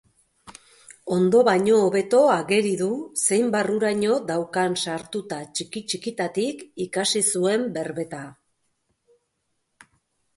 Ondo baino hobeto ageri du zein barruraino daukan sartuta txiki-txikitatik ikasi zuen berbeta.